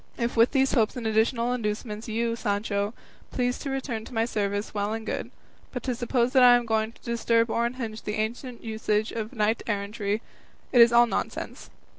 If with these hopes and additional inducements you, Sancho, please to return to my service, well and good; but to suppose that I am going to disturb or unhinge the ancient usage of knight errantry, is all nonsense.